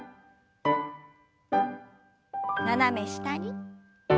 斜め下に。